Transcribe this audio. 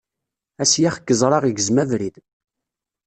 Asyax n yeẓṛa igzem abrid.